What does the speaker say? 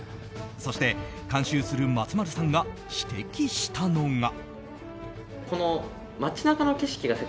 そして監修する松丸さんが指摘したのが。